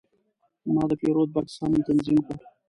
ما د پیرود بکس سم تنظیم کړ.